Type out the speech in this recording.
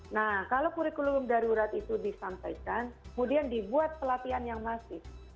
nah kalau kurikulum darurat itu disampaikan kemudian dibuat pelatihan yang masif